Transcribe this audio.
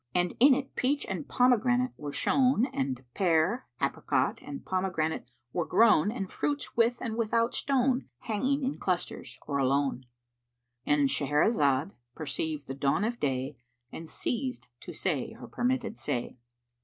And in it peach and pomegranate were shown and pear, apricot and pomegranate were grown and fruits with and without stone hanging in clusters or alone,—And Shahrazad perceived the dawn of day and ceased to say her permitted say.